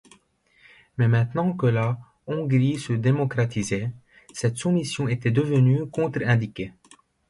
Mais maintenant que la Hongrie se démocratisait, cette soumission était devenue contre-indiquée.